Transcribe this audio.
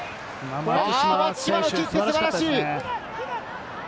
松島のキック、素晴らしい。